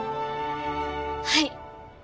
はい！